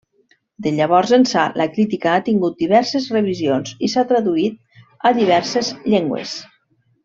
De llavors ençà la crítica ha tingut diverses revisions i s'ha traduït a diverses llengües.